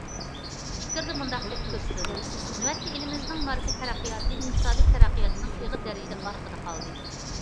« پىكىردە» مۇنداق دەپ كۆرسىتىلدى: نۆۋەتتە ئېلىمىزنىڭ ماركا تەرەققىياتى ئىقتىسادىي تەرەققىياتنىڭ ئېغىر دەرىجىدە ئارقىدا قالدى.